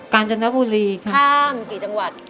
ข้ามกี่จังหวัด